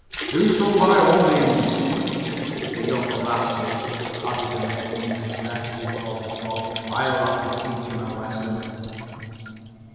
"Do so by all means. The young rascal," added the mate under his breath as he thought of Bob. "I'll have to teach him a lesson."